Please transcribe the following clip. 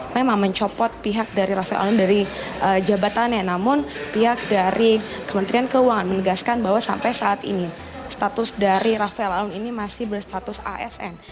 memang mencopot pihak dari rafael alun dari jabatannya namun pihak dari kementerian keuangan menegaskan bahwa sampai saat ini status dari rafael alun ini masih berstatus asn